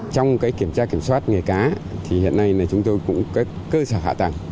trong kiểm tra kiểm soát nghề cá thì hiện nay là chúng tôi cũng có cơ sở hạ tầng